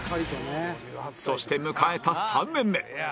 そして迎えた３年目